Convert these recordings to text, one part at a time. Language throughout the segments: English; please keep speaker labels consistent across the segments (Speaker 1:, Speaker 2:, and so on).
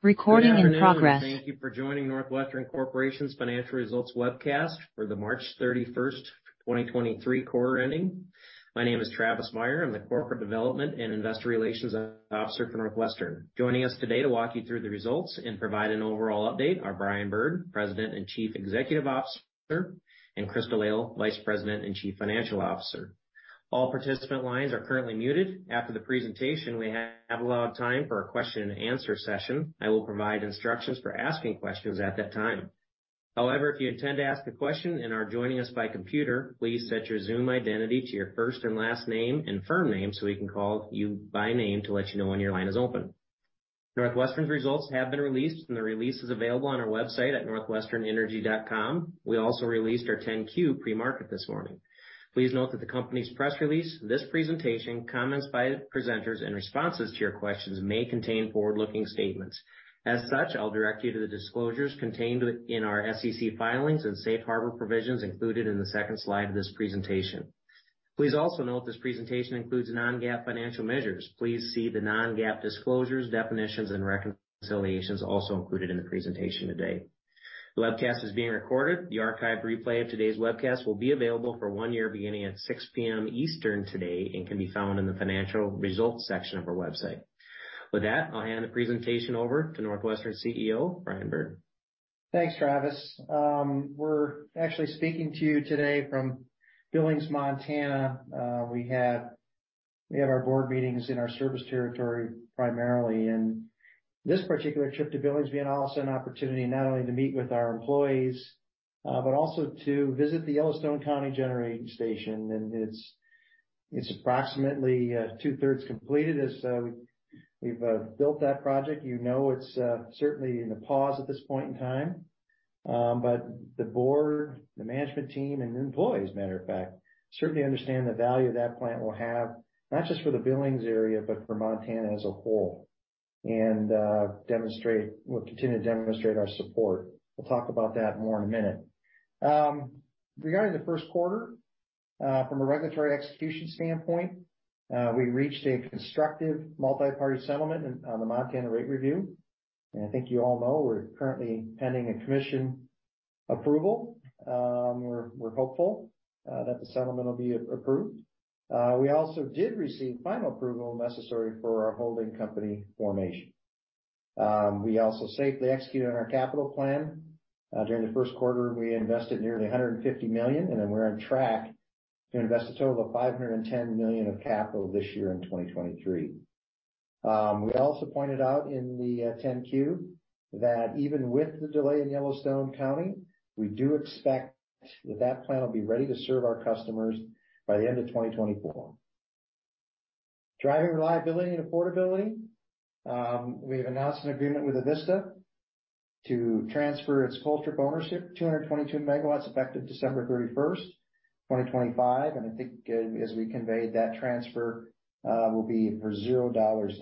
Speaker 1: Good afternoon. Thank you for joining NorthWestern Corporation's financial results webcast for the March 31, 2023 quarter ending. My name is Travis Meyer. I'm the Corporate Development and Investor Relations Officer for NorthWestern. Joining us today to walk you through the results and provide an overall update are Brian Bird, President and Chief Executive Officer, and Crystal Lail, Vice President and Chief Financial Officer. All participant lines are currently muted. After the presentation, we have allowed time for a question and answer session. I will provide instructions for asking questions at that time. However, if you intend to ask a question and are joining us by computer, please set your Zoom identity to your first and last name and firm name, so we can call you by name to let you know when your line is open. NorthWestern's results have been released, and the release is available on our website at northwesternenergy.com. We also released our 10-Q pre-market this morning. Please note that the company's press release, this presentation, comments by presenters, and responses to your questions may contain forward-looking statements. As such, I'll direct you to the disclosures contained in our SEC filings and safe harbor provisions included in the second slide of this presentation. Please also note this presentation includes non-GAAP financial measures. Please see the non-GAAP disclosures, definitions and reconciliations also included in the presentation today. The webcast is being recorded. The archive replay of today's webcast will be available for one year beginning at 6:00 P.M. Eastern today and can be found in the financial results section of our website. With that, I'll hand the presentation over to NorthWestern CEO, Brian Bird.
Speaker 2: Thanks, Travis. We're actually speaking to you today from Billings, Montana. We have our board meetings in our service territory primarily. This particular trip to Billings being also an opportunity not only to meet with our employees, but also to visit the Yellowstone County Generating Station. It's approximately two-thirds completed as we've built that project. You know, it's certainly in a pause at this point in time. The board, the management team and employees, matter of fact, certainly understand the value that plant will have, not just for the Billings area, but for Montana as a whole. We'll continue to demonstrate our support. We'll talk about that more in a minute. Regarding the first quarter, from a regulatory execution standpoint, we reached a constructive multi-party settlement on the Montana rate review. I think you all know we're currently pending a Commission approval. We're hopeful that the settlement will be approved. We also did receive final approval necessary for our holding company formation. We also safely executed on our capital plan. During the first quarter, we invested nearly $150 million, we're on track to invest a total of $510 million of capital this year in 2023. We also pointed out in the 10-Q that even with the delay in Yellowstone County, we do expect that plant will be ready to serve our customers by the end of 2024. Driving reliability and affordability, we have announced an agreement with Avista to transfer its Colstrip ownership, 222 MW effective December 31st, 2025. I think, as we conveyed, that transfer will be for $0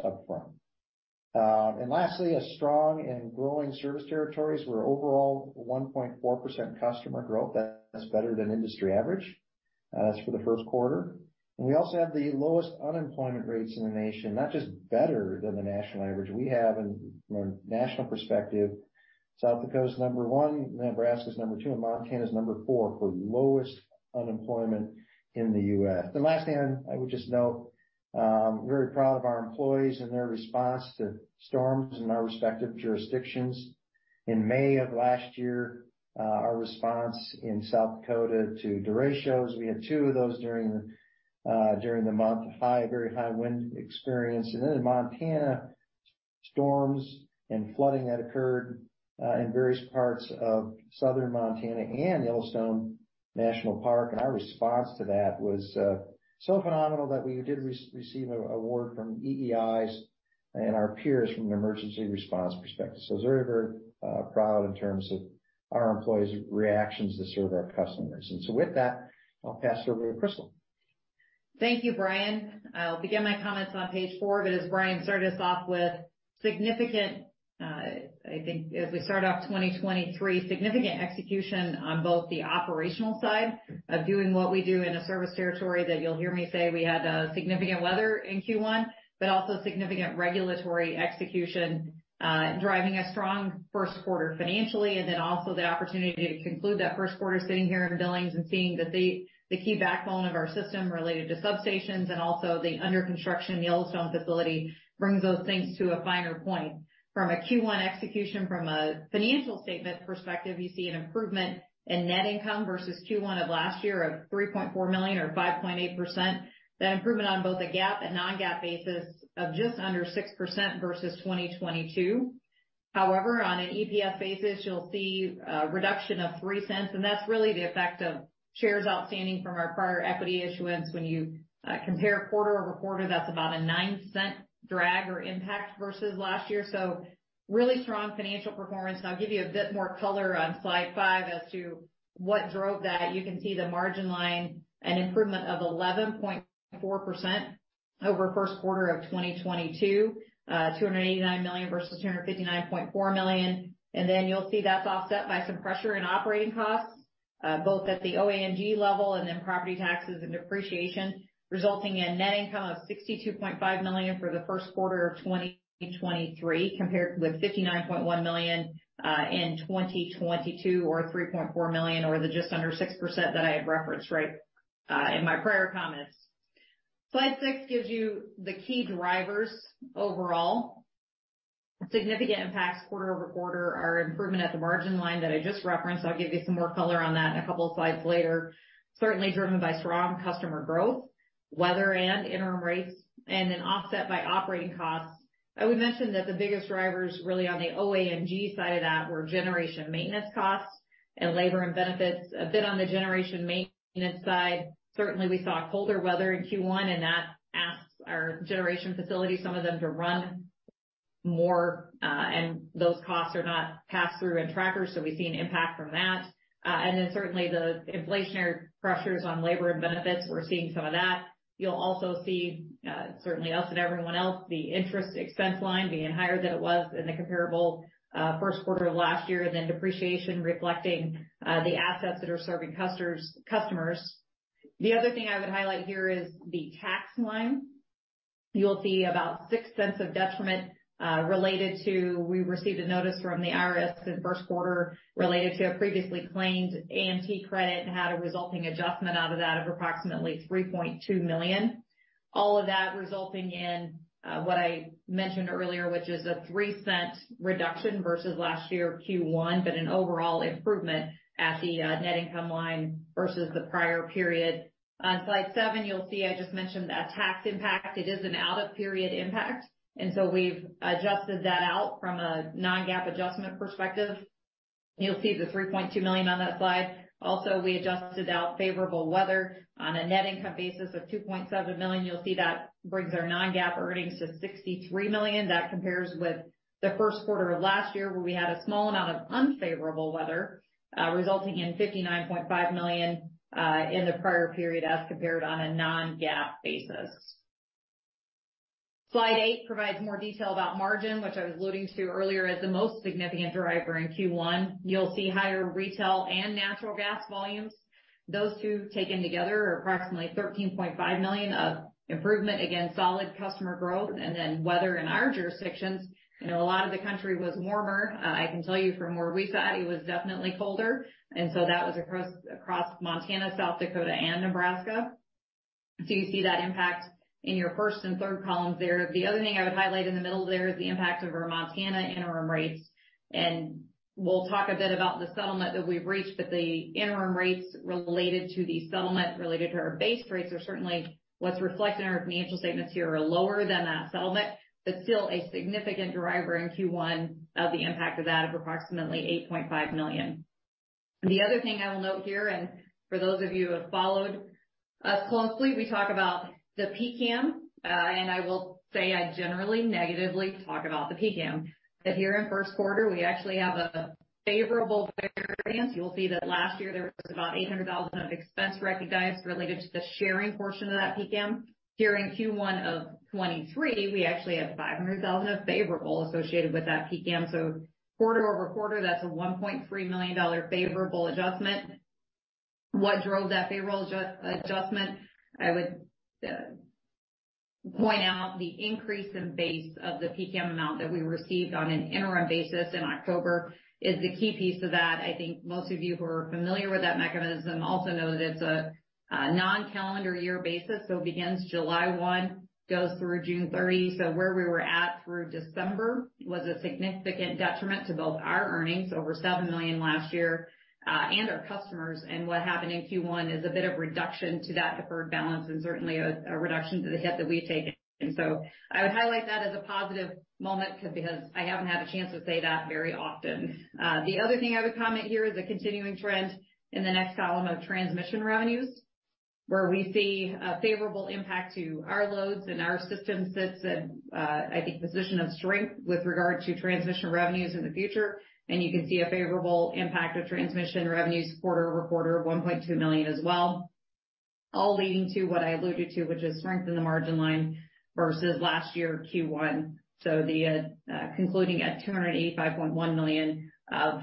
Speaker 2: upfront. Lastly, a strong and growing service territories. We're overall 1.4% customer growth. That is better than industry average, as for the first quarter. We also have the lowest unemployment rates in the nation. Not just better than the national average, we have in, from a national perspective, South Dakota is number one, Nebraska is number two, and Montana is number four for lowest unemployment in the U.S. Last thing I would just note, we're very proud of our employees and their response to storms in our respective jurisdictions. In May of last year, our response in South Dakota to derechos, we had 2 of those during the month. High, very high wind experience. In Montana, storms and flooding that occurred in various parts of southern Montana and Yellowstone National Park, our response to that was so phenomenal that we did receive an award from EEI and our peers from an emergency response perspective. I was very, very proud in terms of our employees' reactions to serve our customers. With that, I'll pass it over to Crystal.
Speaker 3: Thank you, Brian. I'll begin my comments on page 4. As Brian started us off with significant, I think as we start off 2023, significant execution on both the operational side of doing what we do in a service territory that you'll hear me say we had significant weather in Q1, but also significant regulatory execution, driving a strong first quarter financially. Also the opportunity to conclude that first quarter sitting here in Billings and seeing that the key backbone of our system related to substations and also the under construction Yellowstone facility brings those things to a finer point. From a Q1 execution from a financial statement perspective, you see an improvement in net income versus Q1 of last year of $3.4 million or 5.8%. That improvement on both a GAAP and non-GAAP basis of just under 6% versus 2022. On an EPS basis, you'll see a reduction of $0.03, and that's really the effect of shares outstanding from our prior equity issuance. When you compare quarter-over-quarter, that's about a $0.09 drag or impact versus last year. Really strong financial performance. I'll give you a bit more color on slide 5 as to what drove that. You can see the margin line, an improvement of 11.4% over first quarter of 2022. $289 million versus $259.4 million. You'll see that's offset by some pressure in operating costs. Both at the O&M level and then property taxes and depreciation, resulting in net income of $62.5 million for the first quarter of 2023, compared with $59.1 million in 2022 or $3.4 million, or the just under 6% that I had referenced right in my prior comments. Slide 6 gives you the key drivers overall. Significant impacts quarter-over-quarter are improvement at the margin line that I just referenced. I'll give you some more color on that in a couple of slides later. Certainly driven by strong customer growth, weather and interim rates, and then offset by operating costs. I would mention that the biggest drivers really on the O&M side of that were generation maintenance costs and labor and benefits. A bit on the generation maintenance side. Certainly, we saw colder weather in Q1 that asks our generation facilities, some of them to run more, and those costs are not passed through in trackers. We see an impact from that. Certainly the inflationary pressures on labor and benefits, we're seeing some of that. You'll also see, certainly us and everyone else, the interest expense line being higher than it was in the comparable first quarter of last year. Depreciation reflecting the assets that are serving customers. The other thing I would highlight here is the tax line. You'll see about $0.06 of detriment related to we received a notice from the IRS in the first quarter related to a previously claimed AMT credit and had a resulting adjustment out of that of approximately $3.2 million. All of that resulting in what I mentioned earlier, which is a 3-cent reduction versus last year Q1. An overall improvement at the net income line versus the prior period. On slide seven, you'll see I just mentioned a tax impact. It is an out-of-period impact. We've adjusted that out from a non-GAAP adjustment perspective. You'll see the $3.2 million on that slide. We adjusted out favorable weather on a net income basis of $2.7 million. You'll see that brings our non-GAAP earnings to $63 million. That compares with the first quarter of last year, where we had a small amount of unfavorable weather, resulting in $59.5 million in the prior period as compared on a non-GAAP basis. Slide 8 provides more detail about margin, which I was alluding to earlier as the most significant driver in Q1. You'll see higher retail and natural gas volumes. Those two taken together are approximately $13.5 million of improvement. Again, solid customer growth weather in our jurisdictions. You know, a lot of the country was warmer. I can tell you from where we sat, it was definitely colder. That was across Montana, South Dakota, and Nebraska. You see that impact in your first and third columns there. The other thing I would highlight in the middle there is the impact of our Montana interim rates. We'll talk a bit about the settlement that we've reached, but the interim rates related to the settlement related to our base rates are certainly what's reflected in our financial statements here are lower than that settlement, but still a significant driver in Q1 of the impact of that of approximately $8.5 million. For those of you who have followed us closely, we talk about the PCCAM. I will say I generally negatively talk about the PCCAM. Here in first quarter, we actually have a favorable variance. You'll see that last year there was about $800,000 of expense recognized related to the sharing portion of that PCCAM. Here in Q1 of 2023, we actually have $500,000 of favorable associated with that PCCAM. quarter-over-quarter, that's a $1.3 million favorable adjustment. What drove that favorable adjustment? I would point out the increase in base of the PCCAM amount that we received on an interim basis in October is the key piece of that. I think most of you who are familiar with that mechanism also know that it's a non-calendar year basis. It begins July 1, goes through June 30. Where we were at through December was a significant detriment to both our earnings over $7 million last year and our customers. What happened in Q1 is a bit of reduction to that deferred balance and certainly a reduction to the hit that we've taken. I would highlight that as a positive moment because I haven't had a chance to say that very often. The other thing I would comment here is a continuing trend in the next column of transmission revenues, where we see a favorable impact to our loads and our systems. That's an, I think, position of strength with regard to transmission revenues in the future. And you can see a favorable impact of transmission revenues quarter-over-quarter of $1.2 million as well, all leading to what I alluded to, which is strength in the margin line versus last year Q1. The, concluding at $285.1 million of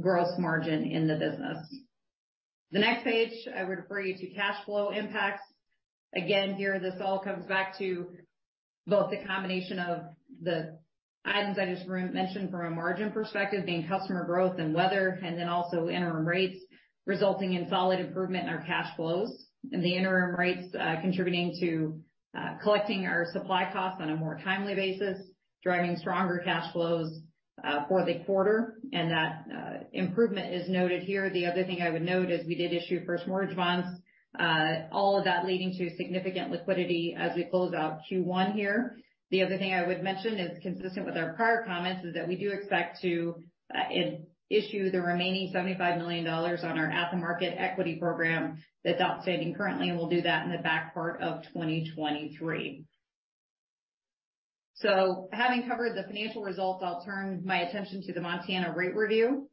Speaker 3: gross margin in the business. The next page I would refer you to cash flow impacts. Here this all comes back to both the combination of the items I just mentioned from a margin perspective, being customer growth and weather then also interim rates resulting in solid improvement in our cash flows. The interim rates contributing to collecting our supply costs on a more timely basis, driving stronger cash flows for the quarter. That improvement is noted here. The other thing I would note is we did issue first mortgage bonds. All of that leading to significant liquidity as we close out Q1 here. The other thing I would mention is consistent with our prior comments, is that we do expect to issue the remaining $75 million on our at-the-market equity program that's outstanding currently, we'll do that in the back part of 2023. Having covered the financial results, I'll turn my attention to the Montana rate review.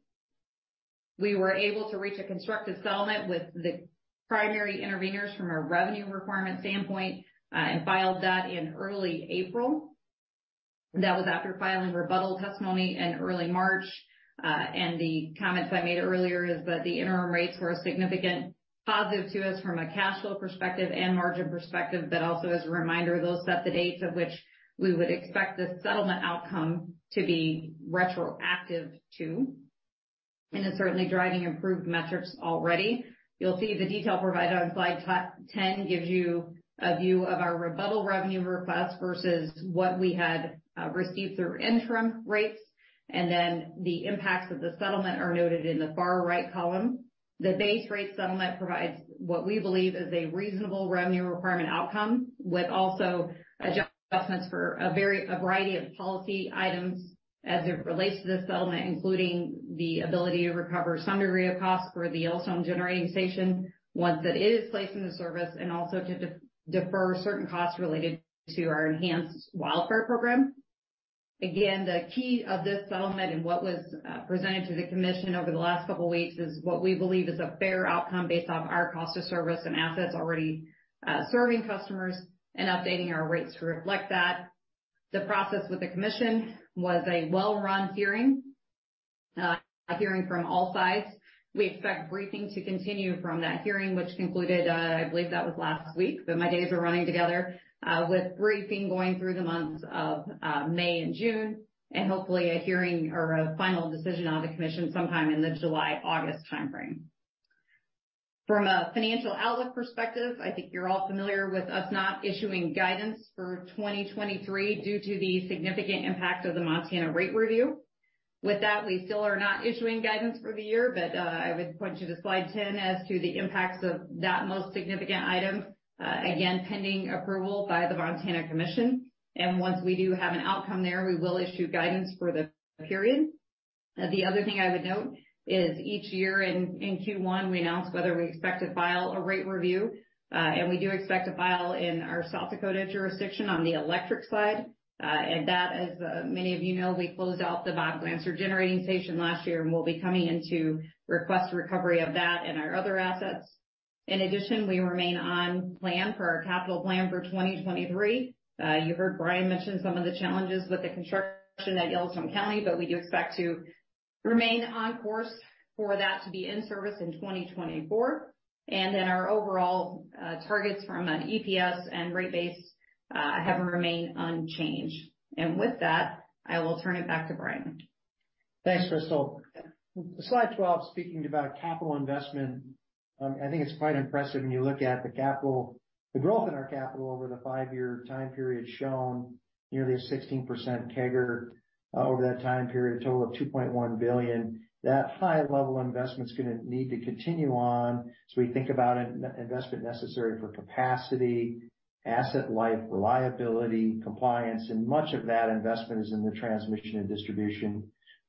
Speaker 3: We were able to reach a constructive settlement with the primary interveners from a revenue requirement standpoint, and filed that in early April. That was after filing rebuttal testimony in early March. And the comments I made earlier is that the interim rates were a significant positive to us from a cash flow perspective and margin perspective. That also is a reminder, those set the dates of which we would expect the settlement outcome to be retroactive to, and it's certainly driving improved metrics already. You'll see the detail provided on slide 10 gives you a view of our rebuttal revenue request versus what we had received through interim rates, and then the impacts of the settlement are noted in the far right column. The base rate settlement provides what we believe is a reasonable revenue requirement outcome with also adjustments for a variety of policy items as it relates to the settlement, including the ability to recover some degree of cost for the Yellowstone generating station once that it is placed into service and also to de-defer certain costs related to our enhanced wildfire program. Again, the key of this settlement and what was presented to the commission over the last couple weeks is what we believe is a fair outcome based off our cost of service and assets already serving customers and updating our rates to reflect that. The process with the commission was a well-run hearing, a hearing from all sides. We expect briefing to continue from that hearing, which concluded, I believe that was last week, but my days are running together, with briefing going through the months of May and June, and hopefully a hearing or a final decision on the Montana Commission sometime in the July-August timeframe. From a financial outlook perspective, I think you're all familiar with us not issuing guidance for 2023 due to the significant impact of the Montana rate review. With that, we still are not issuing guidance for the year, but I would point you to slide 10 as to the impacts of that most significant item, again, pending approval by the Montana Commission. Once we do have an outcome there, we will issue guidance for the period. The other thing I would note is each year in Q1, we announce whether we expect to file a rate review, and we do expect to file in our South Dakota jurisdiction on the electric side. That, as many of you know, we closed out the Bob Glanzer Generating Station last year, and we'll be coming in to request recovery of that and our other assets. In addition, we remain on plan for our capital plan for 2023. You heard Brian mention some of the challenges with the construction at Yellowstone County, but we do expect to remain on course for that to be in service in 2024. Our overall targets from an EPS and rate base have remained unchanged. With that, I will turn it back to Brian.
Speaker 2: Thanks, Crystal. Slide 12, speaking about capital investment, I think it's quite impressive when you look at the capital. The growth in our capital over the five-year time period shown nearly a 16% CAGR over that time period, a total of $2.1 billion. That high level investment is gonna need to continue on as we think about investment necessary for capacity, asset life, reliability, compliance, and much of that investment is in the transmission and distribution.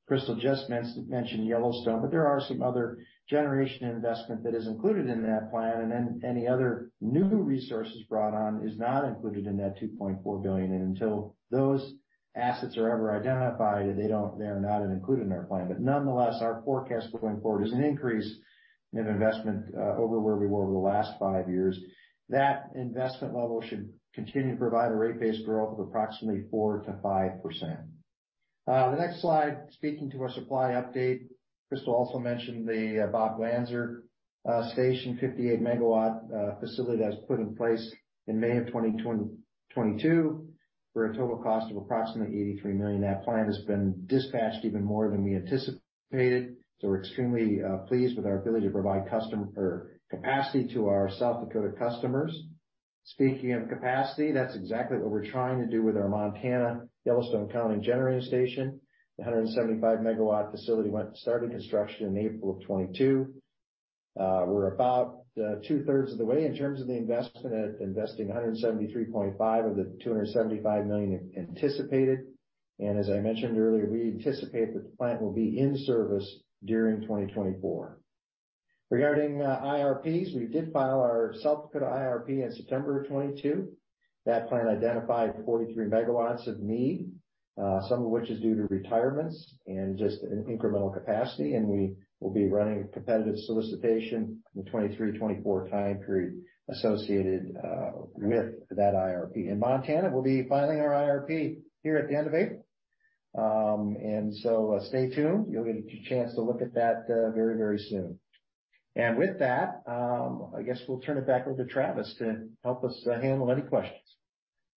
Speaker 2: Crystal just mentioned Yellowstone, but there are some other generation investment that is included in that plan, and then any other new resources brought on is not included in that $2.4 billion. Until those assets are ever identified, they are not included in our plan. Nonetheless, our forecast going forward is an increase in investment over where we were over the last five years. That investment level should continue to provide a rate-based growth of approximately 4% to 5%. The next slide, speaking to our supply update. Crystal also mentioned the Bob Glanzer station 58 MW facility that was put in place in May of 2022 for a total cost of approximately $83 million. That plant has been dispatched even more than we anticipated, so we're extremely pleased with our ability to provide capacity to our South Dakota customers. Speaking of capacity, that's exactly what we're trying to do with our Montana Yellowstone County generating station. The 175 MW facility started construction in April of 2022. We're about two-thirds of the way in terms of the investment at investing $173.5 of the $275 million anticipated. As I mentioned earlier, we anticipate that the plant will be in service during 2024. Regarding IRPs, we did file our South Dakota IRP in September of 2022. That plan identified 43 MW of need, some of which is due to retirements and just an incremental capacity. We will be running a competitive solicitation in the 2023, 2024 time period associated with that IRP. In Montana, we'll be filing our IRP here at the end of April. Stay tuned. You'll get a chance to look at that very, very soon. With that, I guess we'll turn it back over to Travis to help us handle any questions.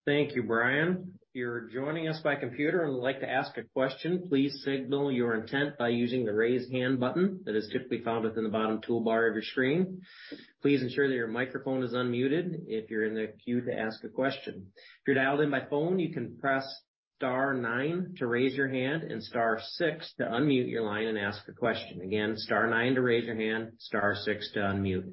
Speaker 1: Thank you, Brian. If you're joining us by computer and would like to ask a question, please signal your intent by using the Raise Hand button that is typically found within the bottom toolbar of your screen. Please ensure that your microphone is unmuted if you're in the queue to ask a question. If you're dialed in by phone, you can press star nine to raise your hand and star six to unmute your line and ask a question. Again, star nine to raise your hand, star six to unmute.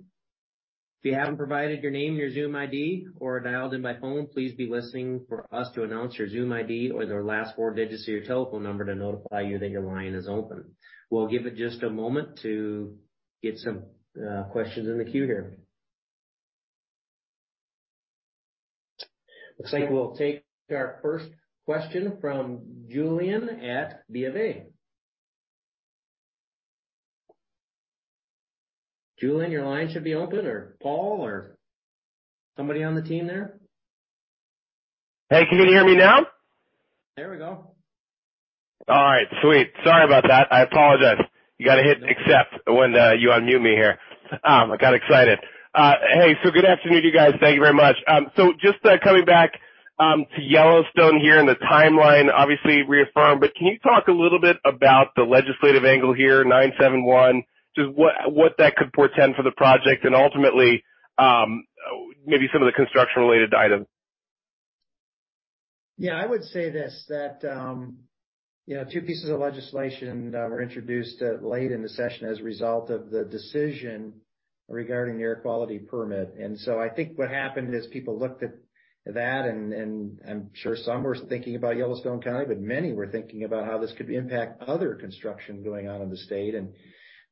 Speaker 1: If you haven't provided your name and your Zoom ID or dialed in by phone, please be listening for us to announce your Zoom ID or the last four digits of your telephone number to notify you that your line is open. We'll give it just a moment to get some questions in the queue here. Looks like we'll take our first question from Julien at BofA.
Speaker 2: Julien, your line should be open, or Paul or somebody on the team there.
Speaker 4: Hey, can you hear me now?
Speaker 2: There we go.
Speaker 4: All right. Sweet. Sorry about that. I apologize. You got to hit accept when you unmute me here. I got excited. Hey, good afternoon to you guys. Thank you very much. Just coming back to Yellowstone here and the timeline obviously reaffirmed, but can you talk a little bit about the legislative angle here, HB 971, just what that could portend for the project and ultimately, maybe some of the construction-related items?
Speaker 2: Yeah, I would say this, that, you know, 2 pieces of legislation that were introduced late in the session as a result of the decision regarding the air quality permit. I think what happened is people looked at that, and I'm sure some were thinking about Yellowstone County, but many were thinking about how this could impact other construction going on in the state.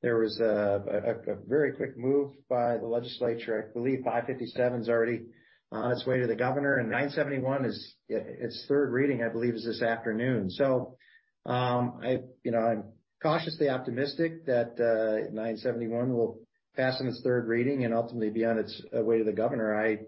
Speaker 2: There was a very quick move by the legislature. I believe 557's already on its way to the governor, and 971 is its 3rd reading, I believe, is this afternoon. I, you know, I'm cautiously optimistic that 971 will pass in its 3rd reading and ultimately be on its way to the governor. I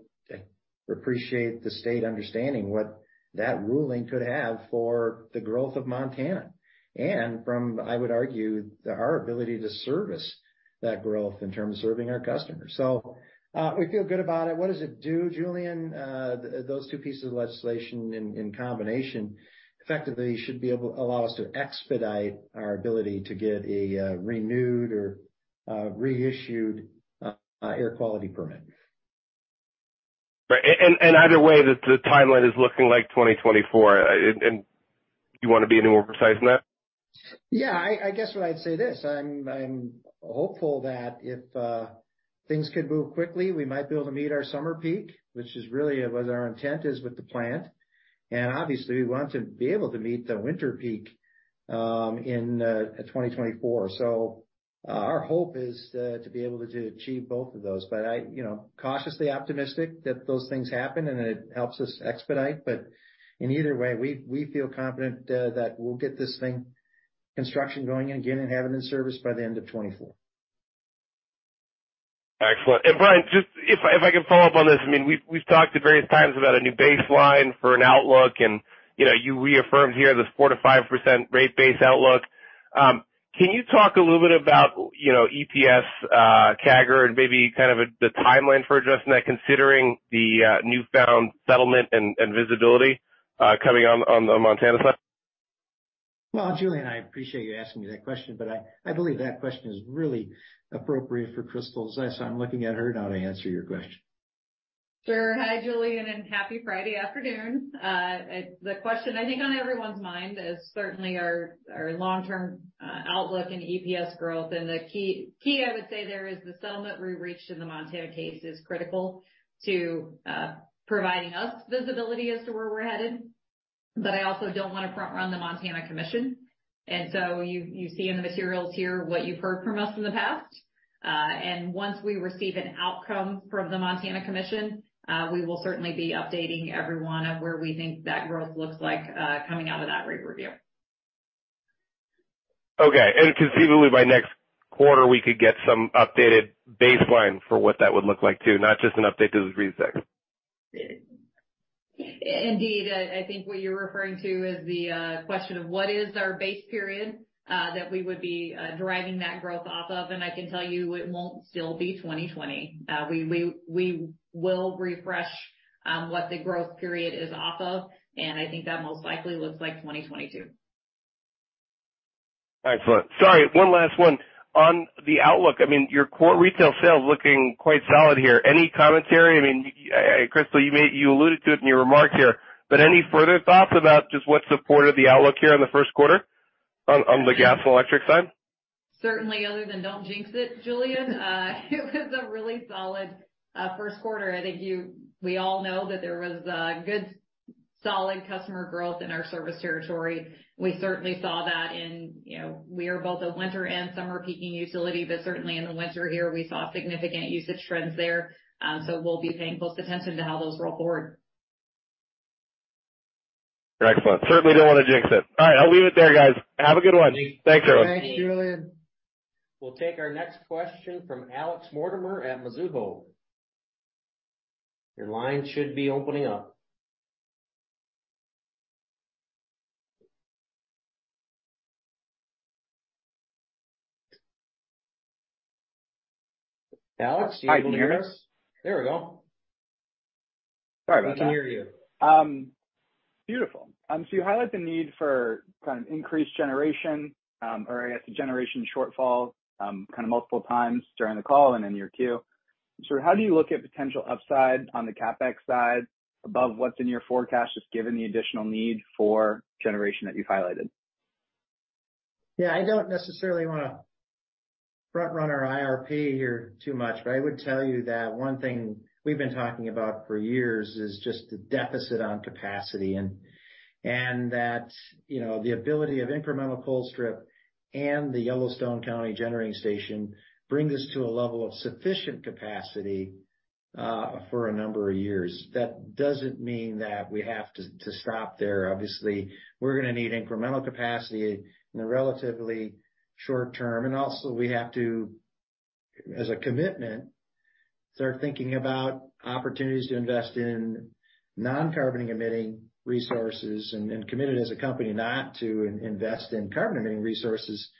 Speaker 2: appreciate the state understanding what that ruling could have for the growth of Montana and from, I would argue, our ability to service that growth in terms of serving our customers. We feel good about it. What does it do, Julien? Those two pieces of legislation in combination effectively should be able to allow us to expedite our ability to get a renewed or reissued air quality permit.
Speaker 4: Right. Either way, the timeline is looking like 2024. Do you want to be any more precise than that?
Speaker 2: Yeah, I guess what I'd say this, I'm hopeful that if things could move quickly, we might be able to meet our summer peak, which is really what our intent is with the plant. Obviously we want to be able to meet the winter peak in 2024. Our hope is to be able to achieve both of those. I, you know, cautiously optimistic that those things happen and it helps us expedite. In either way, we feel confident that we'll get this thing construction going again and have it in service by the end of 2024.
Speaker 4: Excellent. Brian, just if I can follow up on this. I mean, we've talked at various times about a new baseline for an outlook and, you know, you reaffirmed here the 4%-5% rate base outlook. Can you talk a little bit about, you know, EPS CAGR and maybe kind of the timeline for addressing that, considering the newfound settlement and visibility coming on the Montana side?
Speaker 2: Well, Julien, I appreciate you asking me that question, but I believe that question is really appropriate for Crystal. I'm looking at her now to answer your question.
Speaker 3: Sure. Hi, Julien, Happy Friday afternoon. The question I think on everyone's mind is certainly our long-term outlook and EPS growth. The key I would say there is the settlement we reached in the Montana case is critical to providing us visibility as to where we're headed. I also don't want to front run the Montana Commission. So you see in the materials here what you've heard from us in the past. Once we receive an outcome from the Montana Commission, we will certainly be updating everyone on where we think that growth looks like coming out of that rate review.
Speaker 4: Okay. Conceivably by next quarter, we could get some updated baseline for what that would look like too, not just an update to the three six.
Speaker 3: Indeed, I think what you're referring to is the question of what is our base period, that we would be deriving that growth off of, and I can tell you it won't still be 2020. We will refresh, what the growth period is off of, and I think that most likely looks like 2022.
Speaker 4: Excellent. Sorry, one last one. On the outlook, I mean, your core retail sales looking quite solid here. Any commentary? I mean, Crystal, you alluded to it in your remark here, but any further thoughts about just what supported the outlook here in the first quarter on the gas and electric side?
Speaker 3: Certainly, other than don't jinx it, Julien, it was a really solid, first quarter. I think we all know that there was, good solid customer growth in our service territory. We certainly saw that in, you know, we are both a winter and summer peaking utility, but certainly in the winter here we saw significant usage trends there. We'll be paying close attention to how those roll forward.
Speaker 4: Excellent. Certainly don't want to jinx it. All right, I'll leave it there, guys. Have a good one. Thanks.
Speaker 2: Thanks, Julie.
Speaker 4: We'll take our next question from Alex Mortimer at Mizuho. Your line should be opening up. Alex, do you hear us?
Speaker 5: Hi. Can you hear me?
Speaker 4: There we go.
Speaker 5: Sorry about that.
Speaker 4: We can hear you.
Speaker 5: Beautiful. You highlight the need for increased generation, or I guess the generation shortfall, multiple times during the call and in your queue. How do you look at potential upside on the CapEx side above what's in your forecast, just given the additional need for generation that you've highlighted?
Speaker 2: Yeah, I don't necessarily want to front run our IRP here too much, but I would tell you that one thing we've been talking about for years is just the deficit on capacity and that, you know, the ability of incremental Colstrip and the Yellowstone County Generating Station brings us to a level of sufficient capacity for a number of years. That doesn't mean that we have to stop there. Obviously, we're gonna need incremental capacity in the relatively short term, and also we have to, as a commitment, start thinking about opportunities to invest in non-carbon emitting resources and committed as a company not to invest in carbon emitting resources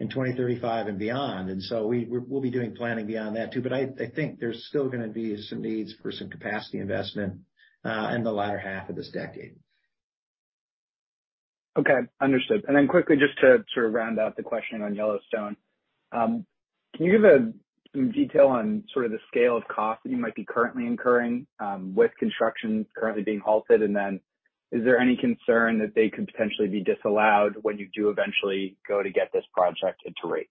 Speaker 2: in 2035 and beyond. We'll be doing planning beyond that too, but I think there's still gonna be some needs for some capacity investment in the latter half of this decade.
Speaker 5: Okay, understood. Quickly, just to sort of round out the question on Yellowstone. Can you give some detail on sort of the scale of cost that you might be currently incurring with construction currently being halted? Is there any concern that they could potentially be disallowed when you do eventually go to get this project into rates?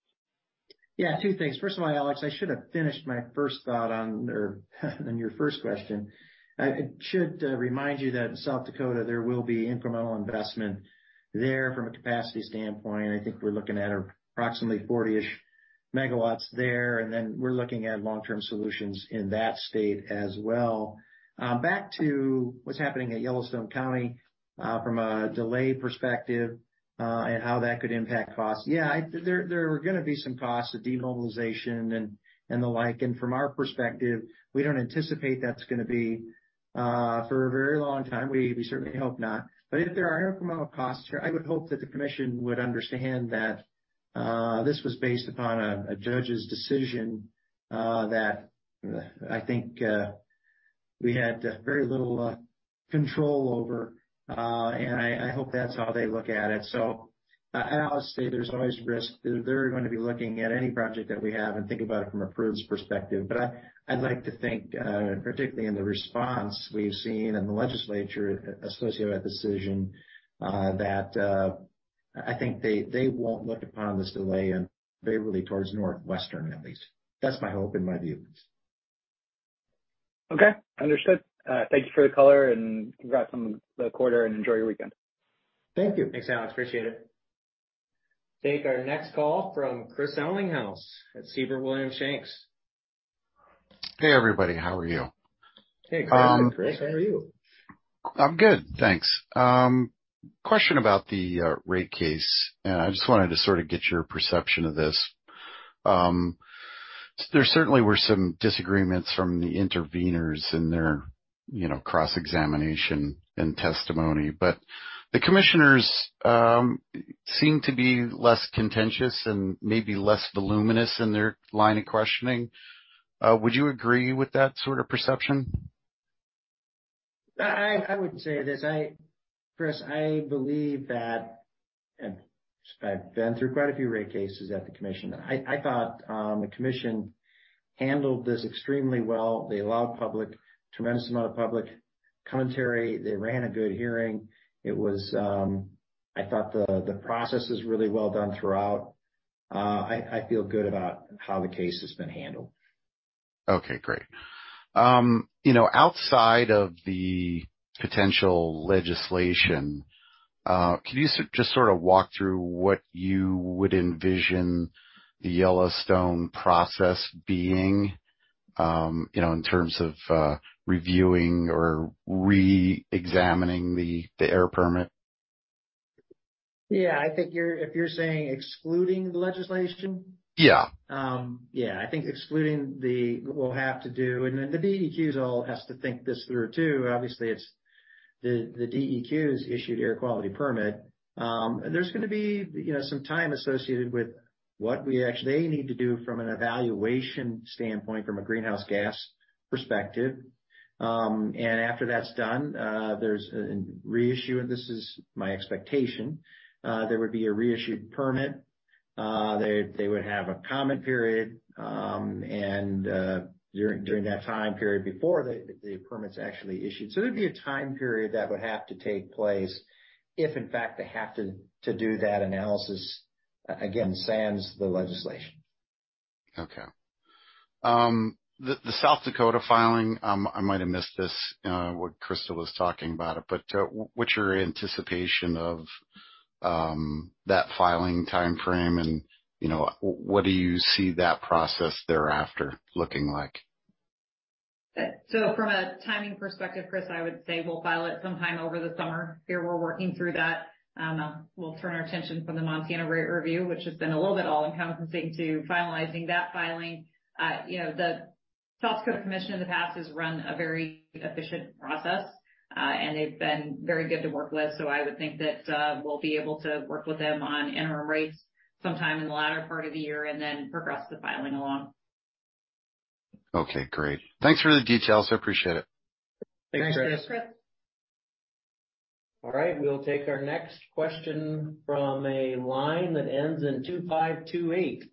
Speaker 2: Yeah, two things. First of all, Alex, I should have finished my first thought on or on your first question. It should remind you that in South Dakota, there will be incremental investment there from a capacity standpoint. I think we're looking at approximately 40-ish MW there, and then we're looking at long-term solutions in that state as well. Back to what's happening at Yellowstone County, from a delay perspective, and how that could impact costs. Yeah, there are gonna be some costs to demobilization and the like. From our perspective, we don't anticipate that's gonna be for a very long time. We certainly hope not. If there are incremental costs here, I would hope that the Commission would understand that this was based upon a judge's decision, that, I think, we had very little control over. I hope that's how they look at it. I'll say there's always risk. They're going to be looking at any project that we have and think about it from a prudence perspective. I'd like to think, particularly in the response we've seen in the legislature associated with that decision, that, I think they won't look upon this delay unfavorably towards NorthWestern, at least. That's my hope and my view.
Speaker 5: Okay. Understood. Thank you for the color and congrats on the quarter and enjoy your weekend.
Speaker 2: Thank you.
Speaker 1: Thanks, Alex. Appreciate it. Take our next call from Chris Ellinghaus at Siebert Williams Shank.
Speaker 6: Hey, everybody. How are you?
Speaker 2: Hey, good morning, Chris. How are you?
Speaker 6: I'm good, thanks. Question about the rate case. I just wanted to sort of get your perception of this. There certainly were some disagreements from the intervenors in their, you know, cross-examination and testimony. The commissioners seem to be less contentious and maybe less voluminous in their line of questioning. Would you agree with that sort of perception?
Speaker 2: I would say this: Chris, I believe that, and I've been through quite a few rate cases at the commission. I thought, the commission handled this extremely well. They allowed tremendous amount of public commentary. They ran a good hearing. It was, I thought the process is really well done throughout. I feel good about how the case has been handled.
Speaker 6: Okay, great. you know, outside of the potential legislation, can you just sort of walk through what you would envision the Yellowstone process being, you know, in terms of reviewing or re-examining the air permit?
Speaker 2: Yeah. I think if you're saying excluding the legislation?
Speaker 6: Yeah.
Speaker 2: Yeah. I think excluding the. We'll have to do. The DEQ's all has to think this through, too. Obviously, it's the DEQ's issued air quality permit. There's gonna be, you know, some time associated with what we actually they need to do from an evaluation standpoint from a greenhouse gas perspective. After that's done, there's a reissue, and this is my expectation. There would be a reissued permit. They would have a comment period. During that time period, before the permit's actually issued. There'd be a time period that would have to take place if in fact they have to do that analysis again, sans the legislation.
Speaker 6: Okay. The South Dakota filing, I might have missed this, what Crystal was talking about it, but, what's your anticipation of that filing timeframe, and, you know, what do you see that process thereafter looking like?
Speaker 3: From a timing perspective, Chris, I would say we'll file it sometime over the summer. Here, we're working through that. We'll turn our attention from the Montana rate review, which has been a little bit all-encompassing to finalizing that filing. You know, the South Dakota Commission in the past has run a very efficient process, and they've been very good to work with. I would think that we'll be able to work with them on interim rates sometime in the latter part of the year and then progress the filing along.
Speaker 6: Okay, great. Thanks for the details. I appreciate it.
Speaker 2: Thanks, Chris.
Speaker 3: Thanks, Chris.
Speaker 1: All right, we'll take our next question from a line that ends in 2528.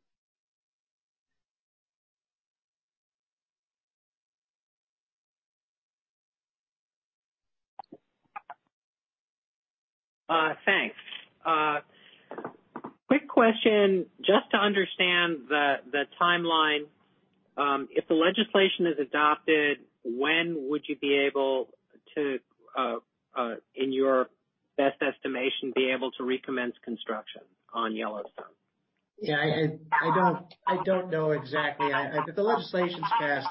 Speaker 7: Thanks. Quick question just to understand the timeline. If the legislation is adopted, when would you be able to, in your best estimation, be able to recommence construction on Yellowstone?
Speaker 2: Yeah, I don't know exactly. If the legislation's passed,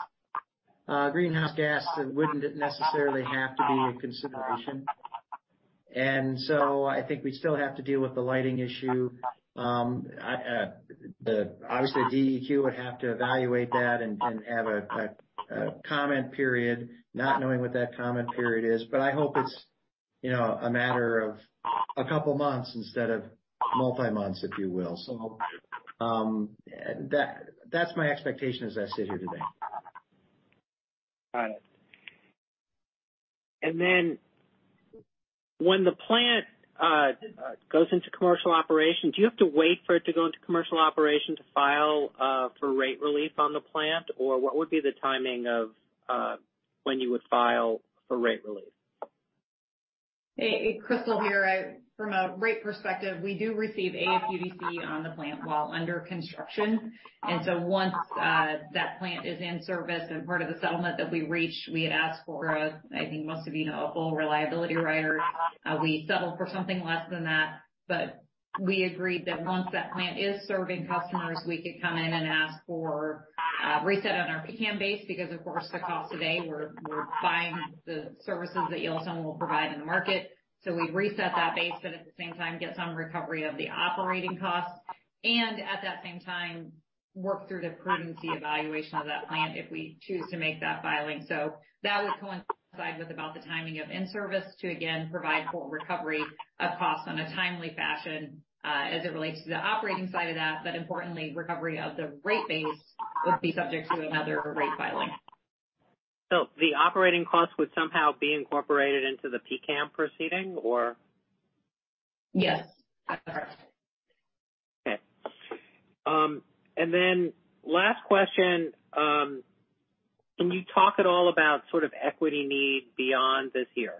Speaker 2: greenhouse gas wouldn't necessarily have to be a consideration. I think we still have to deal with the lighting issue. Obviously, DEQ would have to evaluate that and have a comment period, not knowing what that comment period is. I hope it's, you know, a matter of a couple months instead of multi-months, if you will. That's my expectation as I sit here today.
Speaker 7: Got it. Then when the plant goes into commercial operation, do you have to wait for it to go into commercial operation to file for rate relief on the plant? Or what would be the timing of when you would file for rate relief?
Speaker 3: Hey, Crystal here. From a rate perspective, we do receive AFUDC on the plant while under construction. Once that plant is in service and part of the settlement that we reached, we had asked for a, I think most of you know, a full reliability rider. We settled for something less than that, but we agreed that once that plant is serving customers, we could come in and ask for a reset on our PCCAM base because of course, the cost today, we're buying the services that Yellowstone will provide in the market. We reset that base, but at the same time get some recovery of the operating costs. At that same time, work through the prudency evaluation of that plant if we choose to make that filing. That would coincide with about the timing of in-service to again, provide for recovery of costs on a timely fashion, as it relates to the operating side of that. Importantly, recovery of the rate base would be subject to another rate filing.
Speaker 7: The operating costs would somehow be incorporated into the PCCAM proceeding or?
Speaker 3: Yes.
Speaker 7: Okay. Then last question. Can you talk at all about sort of equity needs beyond this year?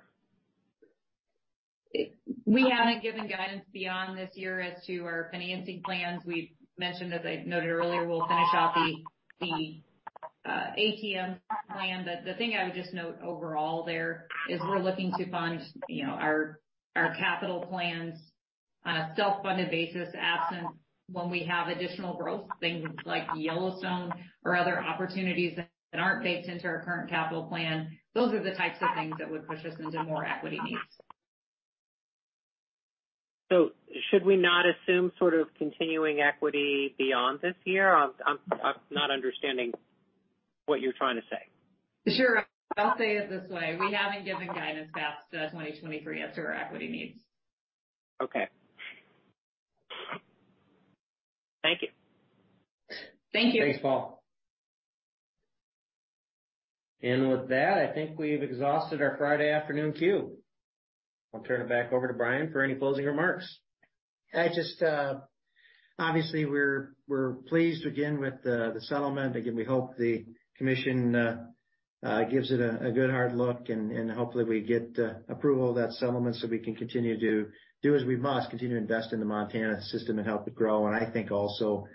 Speaker 3: We haven't given guidance beyond this year as to our financing plans. We've mentioned, as I noted earlier, we'll finish off the ATM plan. The thing I would just note overall there is we're looking to fund, you know, our capital plans on a self-funded basis, absent when we have additional growth, things like Yellowstone or other opportunities that aren't baked into our current capital plan. Those are the types of things that would push us into more equity needs.
Speaker 7: Should we not assume sort of continuing equity beyond this year? I'm not understanding what you're trying to say.
Speaker 3: Sure. I'll say it this way. We haven't given guidance past 2023 as to our equity needs.
Speaker 7: Okay. Thank you.
Speaker 3: Thank you.
Speaker 2: Thanks, Paul.
Speaker 1: With that, I think we've exhausted our Friday afternoon queue. I'll turn it back over to Brian for any closing remarks.
Speaker 2: I just, obviously we're pleased again with the settlement. Again, we hope the Commission gives it a good hard look and hopefully we get approval of that settlement so we can continue to do as we must, continue to invest in the Montana system and help it grow. I think also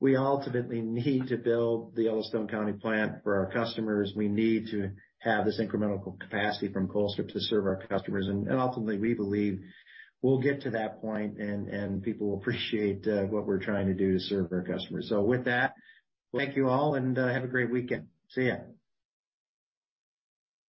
Speaker 2: we ultimately need to build the Yellowstone County Plant for our customers. We need to have this incremental capacity from Colstrip to serve our customers. Ultimately, we believe we'll get to that point and people will appreciate what we're trying to do to serve our customers. With that, thank you all and have a great weekend. See ya.